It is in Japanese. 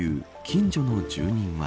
近所の住人は。